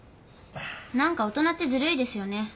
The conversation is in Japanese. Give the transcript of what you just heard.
何か大人ってずるいですよね。